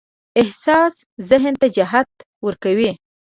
احساس ذهن ته جهت ورکوي.